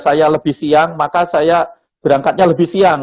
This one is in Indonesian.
saya lebih siang maka saya berangkatnya lebih siang